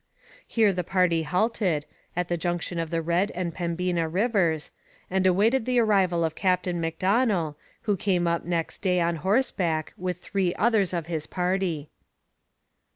Here the party halted, at the junction of the Red and Pembina rivers, and awaited the arrival of Captain Macdonell, who came up next day on horseback with three others of his party.